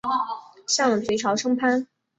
向隋朝称藩。